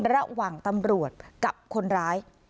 ระหว่างตำรวจกับคนร้าย